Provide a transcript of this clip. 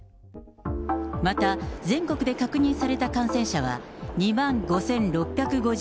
また、全国で確認された感染者は２万５６５８人。